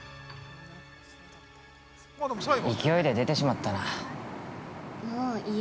勢いで出てしまったな。